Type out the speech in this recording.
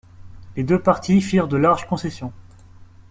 Les deux parties firent de larges concessions.